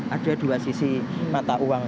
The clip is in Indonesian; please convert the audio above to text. ada dua sisi mata uang